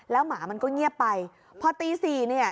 หมามันก็เงียบไปพอตีสี่เนี่ย